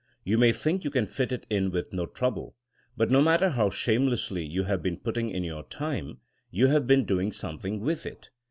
You may think you can fit it in with no trouble. But no matter how shamelessly you have been putting in your time, you have been doing something with it.